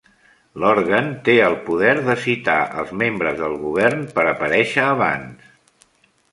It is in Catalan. L'òrgan té el poder de citar els membres del govern per aparèixer abans.